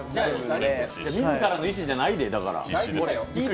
自らの意思じゃないで。